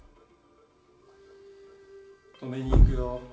止めに行くよ